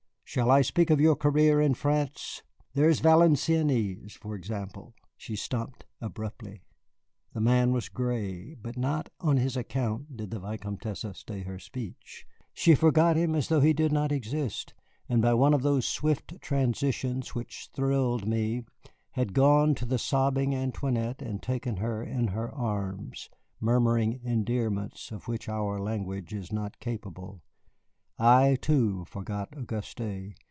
Shall I speak of your career in France? There is Valenciennes, for example " She stopped abruptly. The man was gray, but not on his account did the Vicomtesse stay her speech. She forgot him as though he did not exist, and by one of those swift transitions which thrilled me had gone to the sobbing Antoinette and taken her in her arms, murmuring endearments of which our language is not capable. I, too, forgot Auguste.